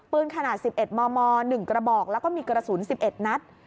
ขนาด๑๑มม๑กระบอกแล้วก็มีกระสุน๑๑นัด